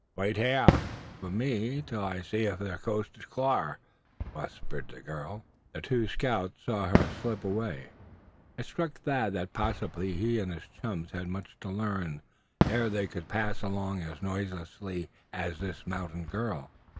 "Wait hyah foh me, till I see ef ther coast is clar," whispered the girl. The two scouts saw her slip away. It struck Thad that possibly he and his chums had much to learn ere they could pass along as noiselessly as this mountain girl.